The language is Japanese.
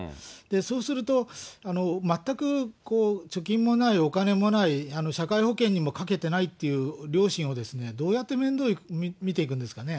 そうすると、全く貯金もない、お金もない、社会保険にもかけてないという両親をどうやって面倒見ていくんですかね。